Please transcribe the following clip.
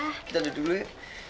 kita duduk dulu ya